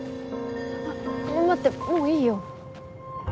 あっ待ってもういいよ。